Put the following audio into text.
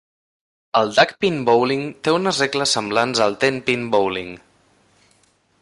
El "duckpin bowling" té unes regles semblants al "ten-pin bowling".